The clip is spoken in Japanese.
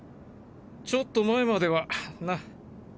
ちょっと前まではな。